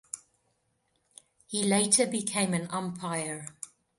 He later became an umpire.